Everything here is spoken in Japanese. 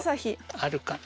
あるかな。